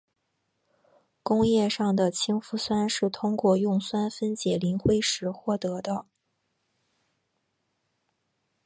工业上的氢氟酸是通过用酸分解磷灰石获得的。